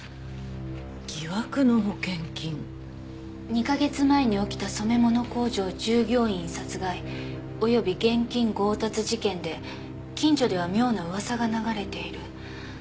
「疑惑の保険金」「２カ月前に起きた染め物工場従業員殺害および現金強奪事件で近所では妙な噂が流れている」